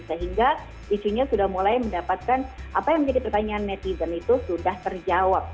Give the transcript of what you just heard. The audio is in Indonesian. sehingga isunya sudah mulai mendapatkan apa yang menjadi pertanyaan netizen itu sudah terjawab